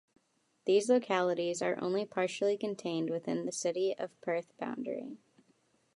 These localities are only partially contained within the City of Perth boundary.